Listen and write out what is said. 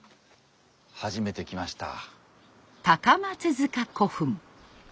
初めて来ました。